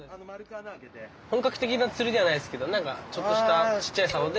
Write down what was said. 本格的な釣りではないですけど何かちょっとしたちっちゃいさおで。